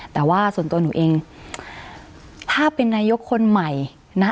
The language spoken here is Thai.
แต่ว่าส่วนตัวหนูเองถ้าเป็นนายกคนใหม่นะ